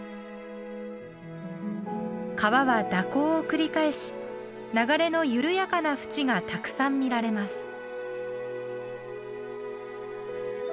川は蛇行を繰り返し流れの緩やかな淵がたくさん見られます。